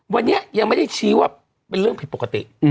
วันนี้ยังไม่ได้ชี้ว่าเป็นเรื่องผิดปกติ